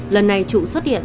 lần này trụ xuất hiện